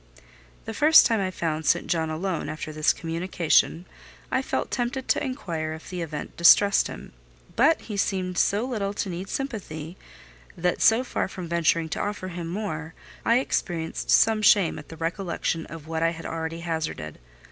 The first time I found St. John alone after this communication, I felt tempted to inquire if the event distressed him: but he seemed so little to need sympathy, that, so far from venturing to offer him more, I experienced some shame at the recollection of what I had already hazarded.